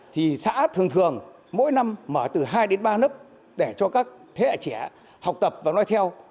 thì xã thường thường mỗi năm mở từ hai đến ba lớp để cho các thế hệ trẻ học tập và nói theo